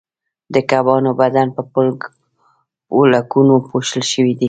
د کبانو بدن په پولکونو پوښل شوی دی